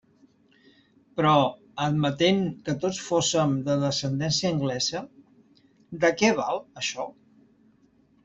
Però, admetent que tots fóssem de descendència anglesa, ¿de què val, això?